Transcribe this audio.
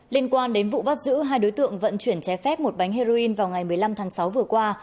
liên quan đến vụ bắt giữ hai đối tượng vận chuyển trái phép một bánh heroin vào ngày một mươi năm tháng sáu vừa qua